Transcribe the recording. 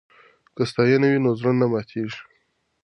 که ستاینه وي نو زړه نه ماتیږي.